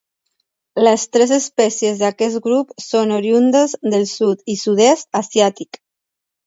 Les tres espècies d'aquest grup són oriündes del sud i sud-est asiàtic.